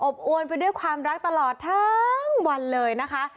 อวนไปด้วยความรักตลอดทั้งวันเลยนะคะ